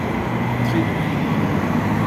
Ttxil-k.